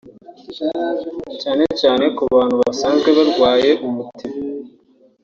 cyane cyane ku bantu basanzwe barwaye umutima